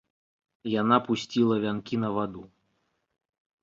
Яна пусціла вянкі на ваду.